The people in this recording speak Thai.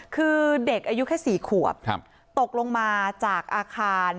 คือเด็กอายุแค่๔ขวบตกลงมาจากอาคาร